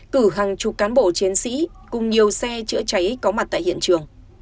cử hàng chục cán bộ chiến sĩ cùng nhiều xe chữa cháy có mặt tại hiện trường